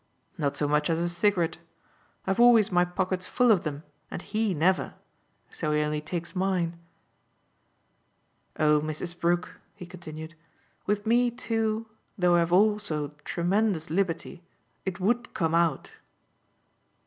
"Not so much as a cigarette. I've always my pockets full of them, and HE never: so he only takes mine. Oh Mrs. Brook," he continued, "with me too though I've also tremendous liberty! it would come out."